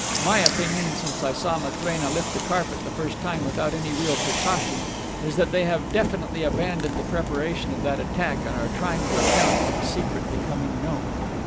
My opinion, since I saw Matrena lift the carpet the first time without any real precaution, is that they have definitely abandoned the preparation of that attack and are trying to account for the secret becoming known.